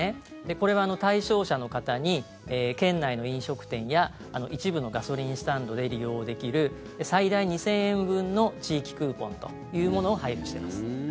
これは対象者の方に県内の飲食店や一部のガソリンスタンドで利用できる最大２０００円分の地域クーポンというものを配布しています。